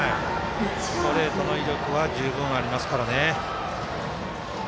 ストレートの威力は十分ありますからね。